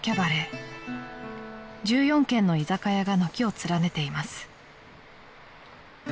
［１４軒の居酒屋が軒を連ねています］